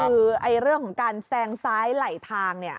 คือเรื่องของการแซงซ้ายไหลทางเนี่ย